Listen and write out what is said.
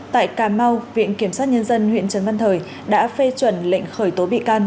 tại cà mau viện kiểm sát nhân dân huyện trần văn thời đã phê chuẩn lệnh khởi tố bị can